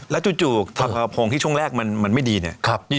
แล้วจู่ทองกระโพงที่ช่วงแรกมันไม่ดีเนี่ย